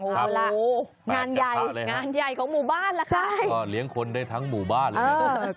เอาล่ะงานใหญ่งานใหญ่ของหมู่บ้านล่ะค่ะก็เลี้ยงคนได้ทั้งหมู่บ้านเลย